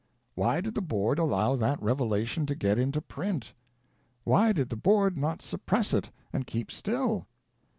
Why did the Board allow that revelation to get into print ? Why did the Board not suppress it and keep still